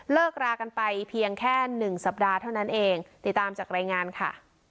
รากันไปเพียงแค่หนึ่งสัปดาห์เท่านั้นเองติดตามจากรายงานค่ะ